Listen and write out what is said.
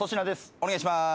お願いします。